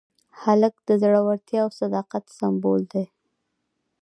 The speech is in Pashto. هلک د زړورتیا او صداقت سمبول دی.